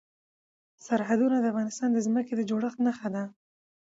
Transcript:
سرحدونه د افغانستان د ځمکې د جوړښت نښه ده.